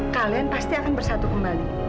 kalian pasti akan bersatu kembali